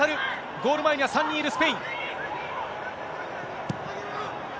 ゴール前には３人いるスペイン。